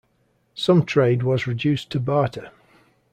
Some trade was reduced to barter.